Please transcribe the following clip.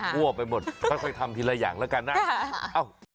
ทั่วไปหมดค่อยทำทีละอย่างแล้วกันนะ